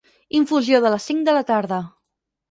Infusió de les cinc de la tarda.